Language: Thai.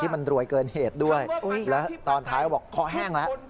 ที่มันรวยเกินเหตุด้วยแล้วตอนท้ายบอกข้อแห้งแล้ว